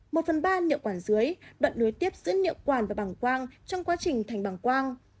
một phần ba niệu quản dưới đoạn đối tiếp giữa niệu quản và bằng quang trong quá trình thành bằng quang